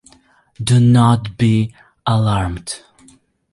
Do not be alarmed.